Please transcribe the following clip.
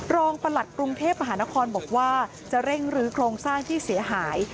ประหลัดกรุงเทพมหานครบอกว่าจะเร่งรื้อโครงสร้างที่เสียหาย